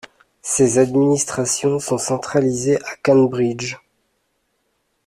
Ses administrations sont centralisées à Cambridge.